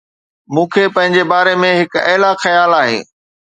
مون کي پنهنجي باري ۾ هڪ اعلي خيال آهي